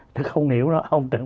tôi không hiểu nó